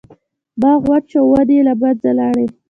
باغ وچ شو او ونې یې له منځه لاړې.